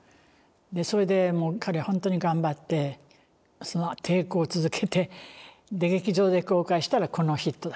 それで彼は本当に頑張ってその抵抗を続けてで劇場で公開したらこのヒットだったのよ。